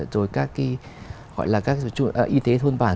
rồi các y tế thôn bản